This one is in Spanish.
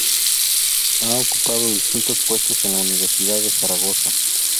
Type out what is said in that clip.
Ha ocupado distintos puestos en la Universidad de Zaragoza.